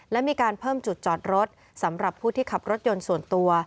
และมีการเพิ่มจุดจอดรถสำหรับผู้ที่ขับรถยนต์ส่วนตัว